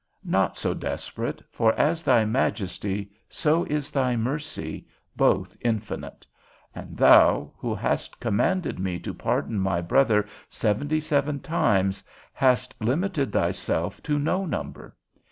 Not so desperate; for as thy majesty, so is thy mercy, both infinite; and thou, who hast commanded me to pardon my brother seventy seven times, hast limited thyself to no number.